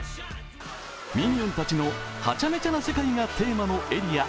ミニオンたちのはちゃめちゃの世界がテーマのエリア。